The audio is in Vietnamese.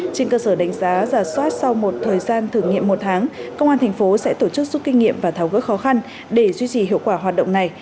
trên cơ sở đánh giá giả soát sau một thời gian thử nghiệm một tháng công an thành phố sẽ tổ chức suốt kinh nghiệm và tháo gỡ khó khăn để duy trì hiệu quả hoạt động này